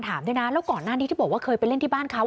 ถามด้วยนะแล้วก่อนหน้านี้ที่บอกว่าเคยไปเล่นที่บ้านเขา